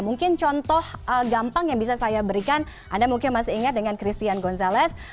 mungkin contoh gampang yang bisa saya berikan anda mungkin masih ingat dengan christian gonzalez